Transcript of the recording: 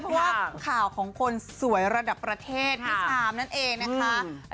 เพราะว่าข่าวของคนสวยระดับประเทศพี่ชามนั่นเองนะคะ